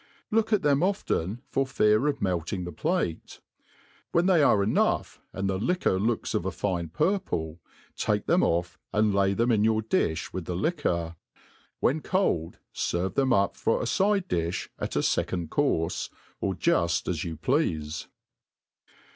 Look at them often, for fear of melting the plate ; when they are enough, and the liquor look^ of a fine purple, take them off, and lay them in your difh with the liquor ; when cold, ferve them up for a fide difii at a fcjcond courfe, or juft as you pieafe.